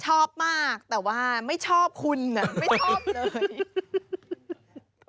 ชอบมากแต่ว่าไม่ชอบคุณไม่ชอบเลย